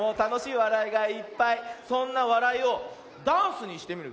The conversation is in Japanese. そんな「わらい」をダンスにしてみるよ。